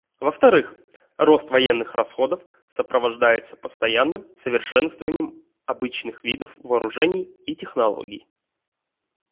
Во-вторых, рост военных расходов сопровождается постоянным совершенствованием обычных видов вооружений и технологий.